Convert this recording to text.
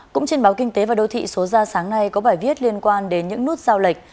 cũng trên báo kinh tế và đô thị số ra sáng nay có bài viết liên quan đến những nút giao lệch